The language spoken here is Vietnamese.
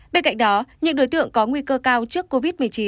bên cạnh đó những đối tượng có nguy cơ cao trước covid một mươi chín